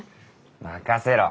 任せろ。